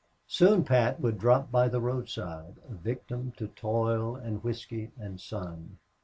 Soon Pat would drop by the roadside, a victim to toil and whisky and sun.